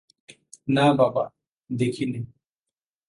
না বাবা, দেখিনি।